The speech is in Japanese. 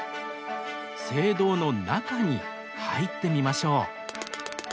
聖堂の中に入ってみましょう。